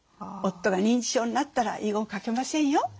夫が認知症になったら遺言書けませんよ。